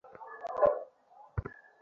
উনিই তো তিনজনকে মারার চুক্তি দিয়েছিলেন।